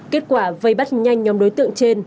kết quả vây bắt nhanh nhóm đối tượng trên